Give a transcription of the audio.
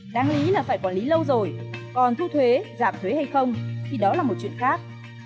đáng ý là phải quản lý lâu rồi còn thu thuế giảm thuế hay không thì đó là một chuyện khác